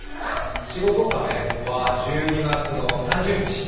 仕事納めは１２月の３０日。